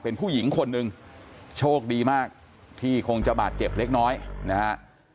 เป็นผู้หญิงคนหนึ่งโชคดีมากที่คงจะบาดเจ็บเล็กน้อยนะฮะ